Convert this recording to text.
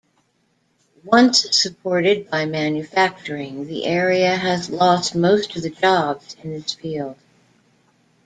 Once supported by manufacturing, the area has lost most of jobs in this field.